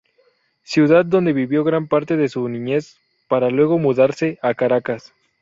Ciudad, donde vivió gran parte de su niñez para luego mudarse a Caracas.